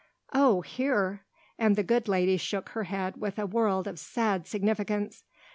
"Oh here!" And the good lady shook her head with a world of sad significance.